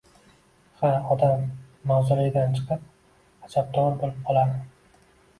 Ha, odam mavzoleydan chiqib... ajabtovur bo‘lib qoladi!